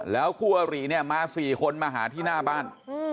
แล้วครัวหรี่มาสี่คนมาหาที่หน้าบ้าน